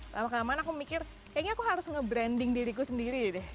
lama lamanya aku mikir kayaknya aku harus nge branding diriku sendiri deh